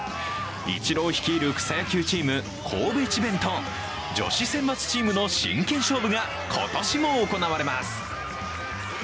イチロー率いる草野球チームＫＯＢＥＣＨＩＢＥＮと女子選抜チームの真剣勝負が今年も行われます。